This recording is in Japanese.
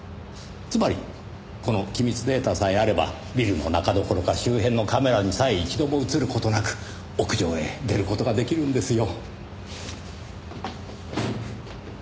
つまりこの機密データさえあればビルの中どころか周辺のカメラにさえ一度も映る事なく屋上へ出る事が出来るんですよ。